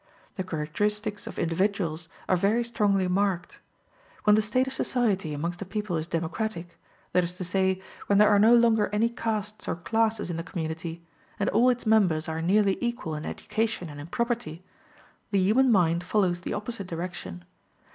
The characteristics of individuals are very strongly marked. When the state of society amongst a people is democratic that is to say, when there are no longer any castes or classes in the community, and all its members are nearly equal in education and in property the human mind follows the opposite direction.